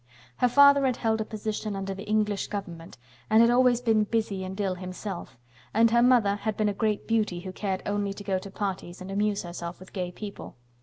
Her father had held a position under the English Government and had always been busy and ill himself, and her mother had been a great beauty who cared only to go to parties and amuse herself with gay people.